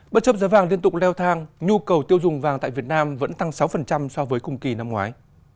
bất chấp giá vàng liên tục leo thang nhu cầu tiêu dùng vàng tại việt nam vẫn tăng sáu so với cùng kỳ năm ngoái